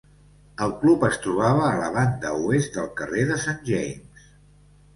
El club es trobava a la banda oest del carrer de Saint James.